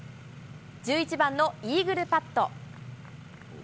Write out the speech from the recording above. １１番のイーグルパット。